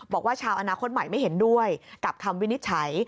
บอกว่าชาวอนาคตใหม่ไม่เห็นด้วยกับคำวินิจฉัย